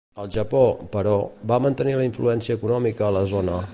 El Japó, però, va mantenir la influència econòmica a la zona.